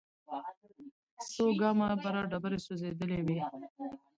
څو ګامه بره ډبرې سوځېدلې وې.